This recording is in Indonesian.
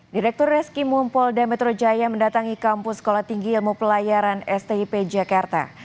direktur reski mumpolda metro jaya mendatangi kampus sekolah tinggi ilmu pelayaran stip jakarta